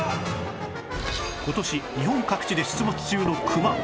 今年日本各地で出没中のクマ